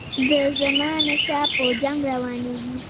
د زمانشاه په جنګ روانیږي.